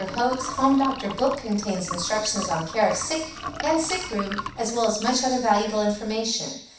Hoag's "Home Doctor Book" contains instructions on care of sick and sick room as well as much other valuable information.